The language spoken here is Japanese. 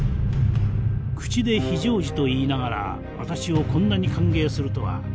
「口で非常時と言いながら私をこんなに歓迎するとは。